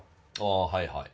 あはいはい。